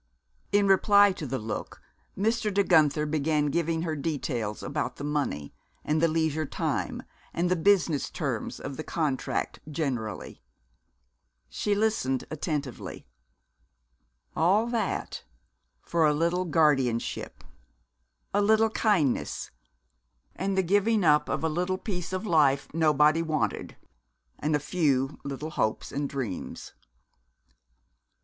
In reply to the look, Mr. De Guenther began giving her details about the money, and the leisure time, and the business terms of the contract generally. She listened attentively. All that for a little guardianship, a little kindness, and the giving up of a little piece of life nobody wanted and a few little hopes and dreams!